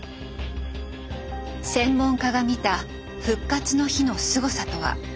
専門家が見た「復活の日」のすごさとは。